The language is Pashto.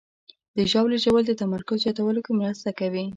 د ژاولې ژوول د تمرکز زیاتولو کې مرسته کوي.